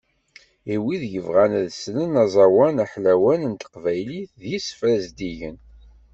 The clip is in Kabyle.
I wid yebɣan ad slen aẓawan aḥlawan n teqbaylit d yisefra zeddigen